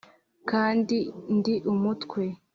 kandi ndi umutwe